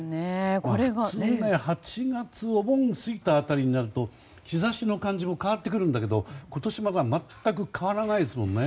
普通、８月お盆を過ぎた辺りになると日差しの感じも変わってくるんだけど今年はまだ全く変わらないですよね。